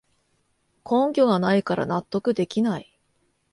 根拠がないから納得できない